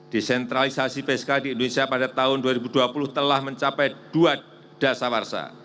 desentralisasi psk di indonesia pada tahun dua ribu dua puluh telah mencapai dua dasar warsa